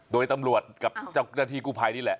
โดยตำรวจกับเจ้าหน้าที่กู้ภัยนี่แหละ